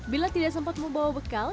bila tidak sempat membawa bekal